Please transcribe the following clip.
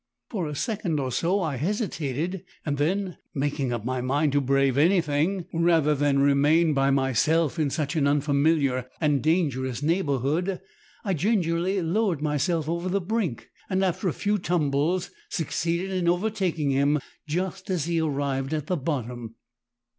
For a second or so I hesitated, and then, making up my mind to brave anything rather than remain by myself in such an unfamiliar and dangerous neighbourhood, I gingerly lowered myself over the brink, and, after a few tumbles, succeeded in overtaking him just as he arrived at the bottom.